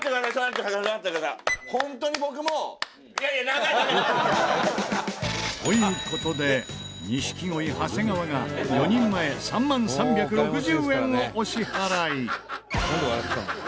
「本当に僕もいやいや」という事で錦鯉長谷川が４人前３万３６０円をお支払い。